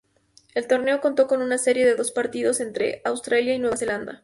El torneo contó con una serie de dos partido entre Australia y Nueva Zelanda.